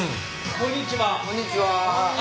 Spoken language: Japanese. こんにちは。